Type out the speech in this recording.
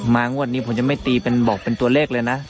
มากว่าวันนี้ผมจะไม่ตีเหมือนบอกเป็นตัวเลขเลยนะ